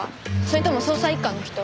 それとも捜査一課の人？